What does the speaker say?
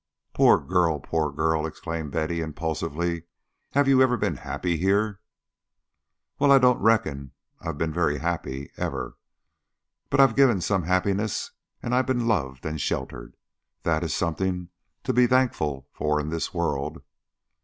"Poor girl! poor girl!" exclaimed Betty, impulsively. "Have you ever been happy here?" "Well, I don't reckon I've been very happy, ever; but I've given some happiness and I've been loved and sheltered. That is something to be thankful for in this world."